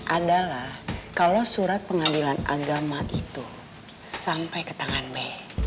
adalah kalau surat pengadilan agama itu sampai ke tangan mei